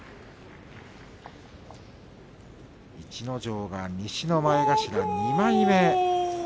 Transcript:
逸ノ城が西の前頭２枚目。